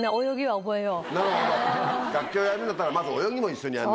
なるほど楽器をやるんだったらまず泳ぎも一緒にやんなきゃ。